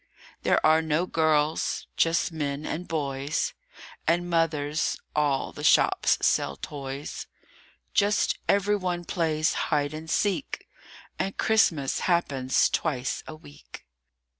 THERE are no girls: just men and boys And mothers; all the shops sell toys; Just every one plays Hide and Seek, And Christmas happens twice a week.